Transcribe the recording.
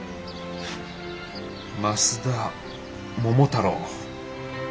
益田桃太郎。